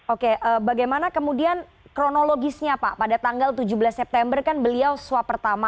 oke bagaimana kemudian kronologisnya pak pada tanggal tujuh belas september kan beliau swab pertama